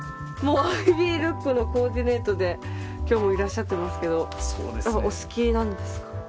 もうアイビールックのコーディネートで今日もいらっしゃってますけどお好きなんですか？